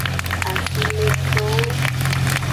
Afimetowo.